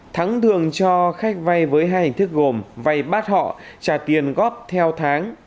thắng thường cho khách vay với hai hình thức gồm vay bát họ trả tiền góp theo tháng